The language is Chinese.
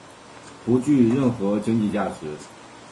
不具任何经济价值。